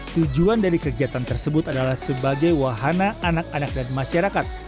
tujuan dari kegiatan tersebut adalah sebagai wahana anak anak dan masyarakat